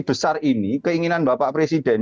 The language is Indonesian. besar ini keinginan bapak presiden